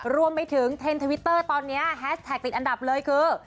รวมไปถึงเทรนด์ทวิตเตอร์ตอนนี้แฮชแท็กติดอันดับเลยคือ